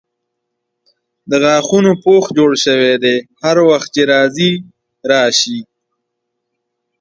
د غاښونو پوښ جوړ سوی دی هر وخت چې راځئ راسئ.